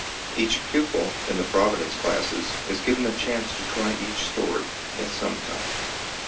Each pupil, in the Providence classes, is given a chance to try each story, at some time.